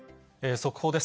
速報です。